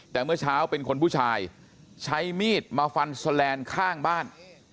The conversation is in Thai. แต่เมื่อเช้าเป็นคนผู้ชายใช้มีดมาฟันแสลนด์ข้างบ้าน